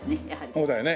そうだよね。